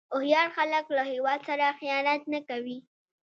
هوښیار خلک له هیواد سره خیانت نه کوي.